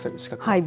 はい。